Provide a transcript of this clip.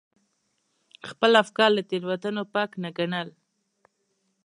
خپل افکار له تېروتنو پاک نه ګڼل.